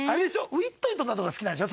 ウィットに富んだのが好きなんでしょ？